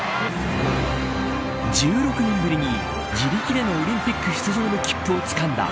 １６年ぶりに自力でのオリンピック出場の切符をつかんだ